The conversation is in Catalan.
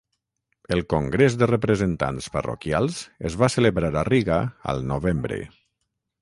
El Congrés de Representants Parroquials es va celebrar a Riga al novembre.